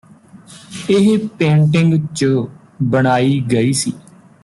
ਇਹ ਪੇਂਟਿੰਗ ਚ ਬਣਾਈ ਗਈ ਸੀ